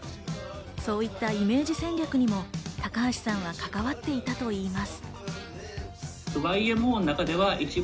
そういったイメージ戦略にも高橋さんは関わっていたといいます。